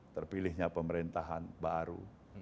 terpilihnya pemerintahan baru